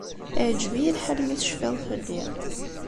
Iεǧeb-iyi lḥal mi tecfiḍ fell-i.